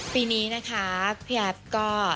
ปีนี้นะคะพี่แอฟก็